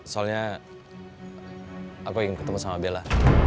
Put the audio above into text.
soalnya aku ingin ketemu sama bella